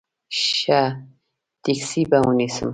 ښه ټیکسي به ونیسم.